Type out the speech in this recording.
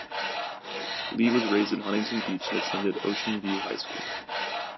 Lee was raised in Huntington Beach and attended Ocean View High School.